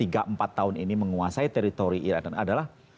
hampir tiga empat tahun ini menguasai teritori irak adalah